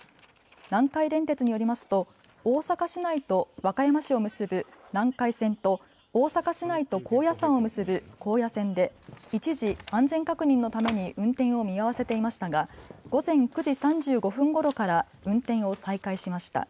南海電鉄によりますと大阪市内と和歌山市を結ぶ南海線と大阪市内と高野山を結ぶ高野線で一時、安全確認のために運転を見合わせていましたが午前９時３５分ごろから運転を再開しました。